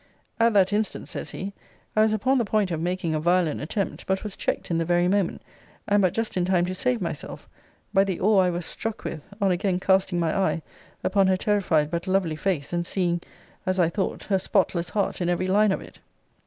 ] At that instant, says he, I was upon the point of making a violent attempt, but was checked in the very moment, and but just in time to save myself, by the awe I was struck with on again casting my eye upon her terrified but lovely face, and seeing, as I thought, her spotless heart in every line of it.